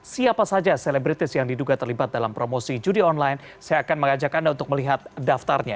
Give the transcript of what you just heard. siapa saja selebritis yang diduga terlibat dalam promosi judi online saya akan mengajak anda untuk melihat daftarnya